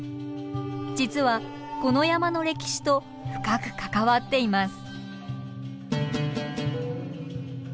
実はこの山の歴史と深く関わっています。